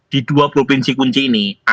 di dua provinsi kunci ini